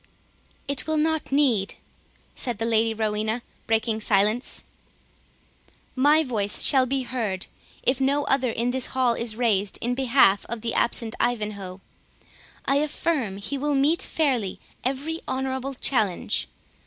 "It will not need," said the Lady Rowena, breaking silence; "My voice shall be heard, if no other in this hall is raised in behalf of the absent Ivanhoe. I affirm he will meet fairly every honourable challenge.